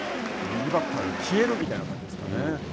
右バッターで消えるという感じですかね。